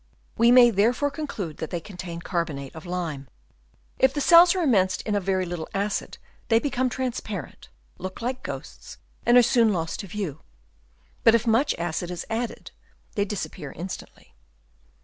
We may therefore conclude that they contain carbonate of lime. If the cells are immersed in a very little acid, they become more transparent, look like ghosts, and are soon lost to view ; but if much acid is added, they disappear instantly.